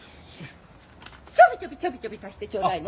ちょびちょびちょびちょび足してちょうだいね。